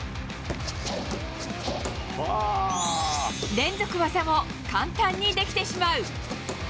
連続技も簡単にできてしまう。